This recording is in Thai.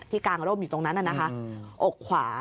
ที่กางโรมอยู่ตรงนั้นน่ะนะคะ